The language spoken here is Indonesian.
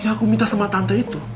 aku minta sama tante itu